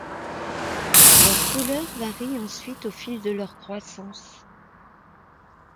Leur couleur varie ensuite au fil de leur croissance.